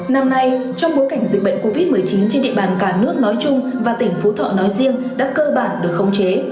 năm nay trong bối cảnh dịch bệnh covid một mươi chín trên địa bàn cả nước nói chung và tỉnh phú thọ nói riêng đã cơ bản được khống chế